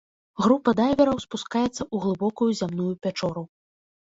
Група дайвераў спускаецца ў глыбокую зямную пячору.